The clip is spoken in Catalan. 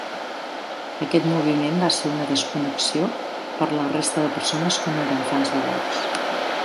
Aquest moviment va ser una desconnexió per la resta de persones que no eren fans devots.